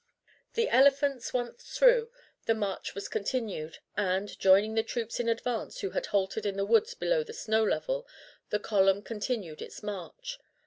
The elephants once through, the march was continued, and, joining the troops in advance, who had halted in the woods below the snow level, the column continued its march.